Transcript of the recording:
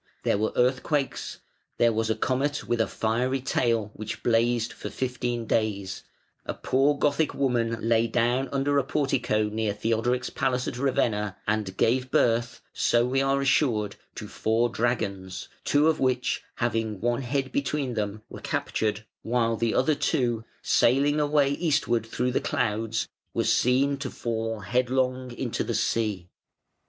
There were earthquakes; there was a comet with a fiery tail which blazed for fifteen days; a poor Gothic woman lay down under a portico near Theodoric's palace at Ravenna and gave birth (so we are assured) to four dragons, two of which, having one head between them, were captured, while the other two, sailing away eastward through the clouds, were seen to fall headlong into the sea.